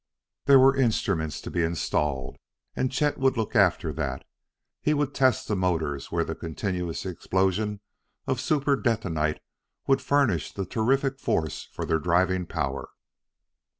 There were instruments to be installed, and Chet would look after that. He would test the motors where the continuous explosion of super detonite would furnish the terrific force for their driving power.